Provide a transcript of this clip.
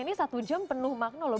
ini satu jam penuh makna loh